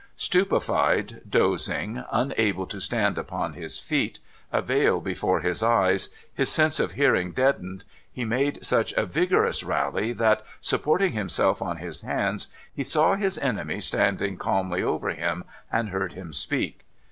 Stupefied, dozing, unable to stand upon his feet, a veil before his eyes, his sense of hearing deadened, he made such a vigorous rally that, supporting himself on his hands, he saw his enemy standing calmly over him, and heard him speak.